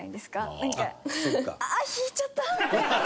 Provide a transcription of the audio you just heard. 「あっ引いちゃった！」みたいな。